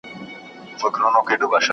¬ اول سلام ،پسې اتام.